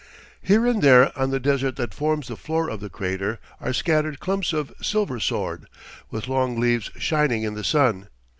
Here and there on the desert that forms the floor of the crater are scattered clumps of silversword, with long leaves shining in the sun.